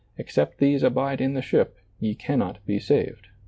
Except tbeae alnde in the ship, ye cannot be saved."